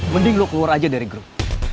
mending lo keluar aja dari grup